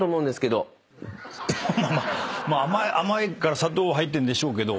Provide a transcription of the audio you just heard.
まあ甘いから砂糖入ってるんでしょうけど。